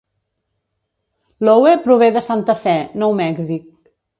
Lowe prové de Santa Fe, Nou Mèxic.